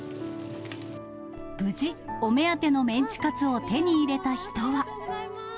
無事、お目当てのメンチカツを手に入れた人は。